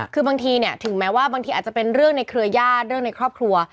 คือบางทีเนี่ยถึงแม้ว่าบางทีอาจจะเป็นเรื่องในเครือญาติเรื่องในครอบครัว